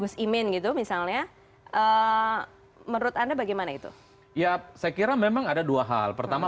saya kira memang ada dua hal pertama